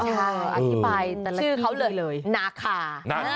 ใช่อธิบายเขาเลยนักค่ะ